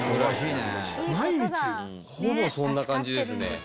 ほぼそんな感じですね。